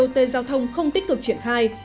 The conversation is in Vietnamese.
bot giao thông không tích cực triển khai